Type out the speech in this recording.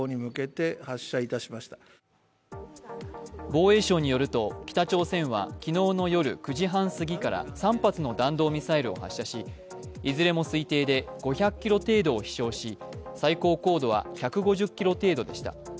防衛省によると、北朝鮮は昨日の夜９時半すぎから３発の弾道ミサイルを発射しいずれも推定で５００ｋｍを飛しょうし最高高度は１５０ｋｍ程度でした。